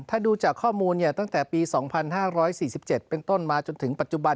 ถ้าดูจากข้อมูลตั้งแต่ปี๒๕๔๗เป็นต้นมาจนถึงปัจจุบัน